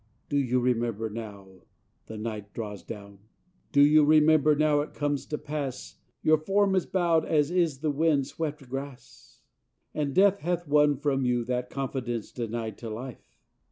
Do you remember, now the night draws down? Do you remember, now it comes to pass Your form is bowed as is the wind swept grass? And death hath won from you that confidence Denied to life?